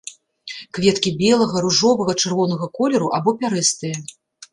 Кветкі белага, ружовага, чырвонага колеру або пярэстыя.